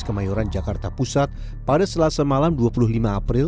kemayoran jakarta pusat pada setelah semalam dua puluh lima mei